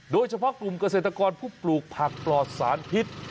โดยเฉพาะกลุ่มเกษตรกรผู้ปลูกผักปลอดสารพิษ